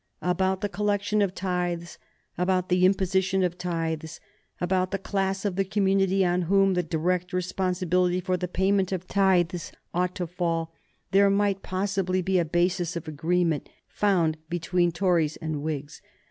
About the collection of tithes, about the imposition of tithes, about the class of the community on whom the direct responsibility for the payment of tithes ought to fall, there might possibly be a basis of agreement found between Tories and Whigs.